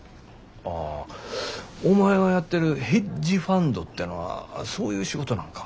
ああお前がやってるヘッジファンドてのはそういう仕事なんか。